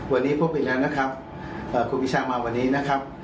วันนี้พบอีกแล้วนะครับคุณพิชามาวันนี้นะครับ